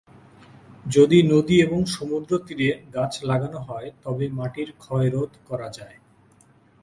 যদি নদী এবং সমুদ্র তীরে গাছ লাগানো হয় তবে মাটির ক্ষয় রোধ করা যায়।